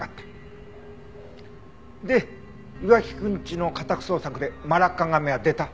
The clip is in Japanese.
で岩城くんちの家宅捜索でマラッカガメは出た？